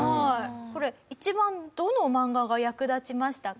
これ一番どの漫画が役立ちましたか？